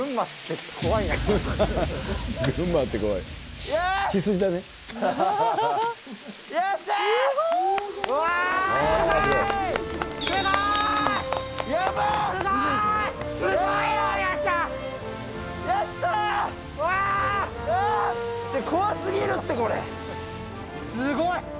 すごーい。